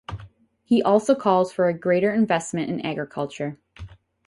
He also calls for a greater investment in agriculture.